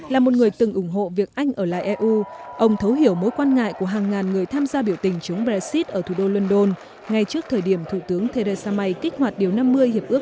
là một người từng ủng hộ việc anh ở lại eu ông thấu hiểu mối quan ngại của hàng ngàn người tham gia biểu tình chống brexit ở thủ đô london ngay trước thời điểm thủ tướng theresa may kích hoạt điều năm mươi hiệp ước